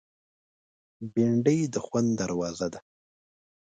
بېنډۍ د خوند دروازه ده